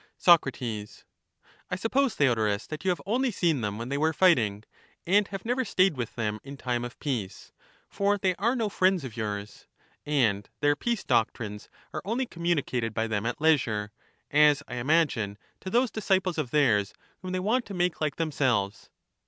Sac. I suppose, Theodorus, that you have only seen them when they were fighting, and have never stayed with them in time of peace, for they are no friends of yours ; and their peace doctrines are only communicated by them at leisure, as I imagine, to those disciples of theirs whom they want to make like themselves.